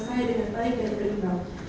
saya dengan baik dan berimbau